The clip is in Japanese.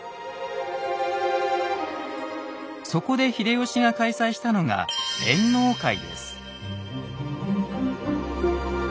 そこで秀吉が開催したのが演能会です。